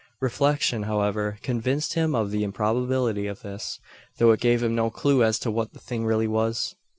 Reflection, however, convinced him of the improbability of this; though it gave him no clue as to what the thing really was.